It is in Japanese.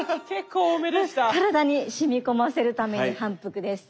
体にしみこませるために反復です。